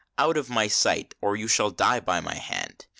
Out of my sight, or you shall die by my hand